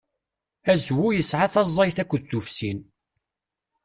Azwu yesɛa taẓẓayt akked tufsin.